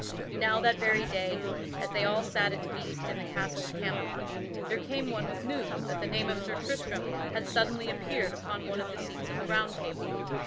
Now that very day, as they all sat at feast in the castle of Camelot, there came one with news that the name of Sir Tristram had suddenly appeared upon one of the seats of the Round Table.